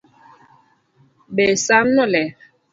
Be San no ler?